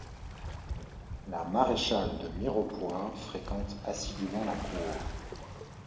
La maréchale de Mirepoix fréquente assidûment la Cour.